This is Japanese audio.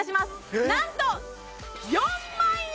えっなんと４万円！